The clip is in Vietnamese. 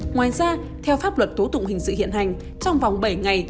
ngoài ra theo pháp luật tố tụng hình sự hiện hành trong vòng bảy ngày